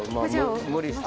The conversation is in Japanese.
無理して。